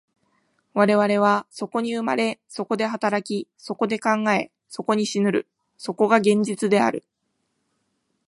我々はそこに生まれ、そこで働き、そこで考え、そこに死ぬる、そこが現実である。